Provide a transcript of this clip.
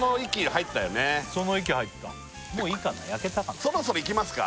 その域入ったもういいかな焼けたかなそろそろいきますか？